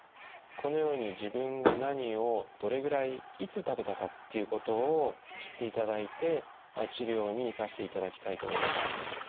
このように自分が何をどれぐらいいつ食べたかっていうことを知っていただいて治療に生かしていただきたいと思います。